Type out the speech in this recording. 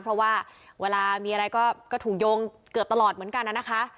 เพราะว่าเวลามีอะไรก็ถูกโยงเกือบตลอดเหมือนกันนะคะ